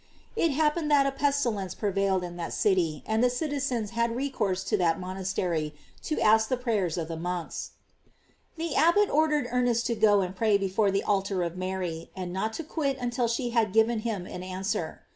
It happened that a pestilence prevailed in that city and the citizens had recourse to that monastery to ask the prayers of the monks. The abbot or dered Ernest to go and pray before the altar of Mary, and not to quit it until she had given him an answer.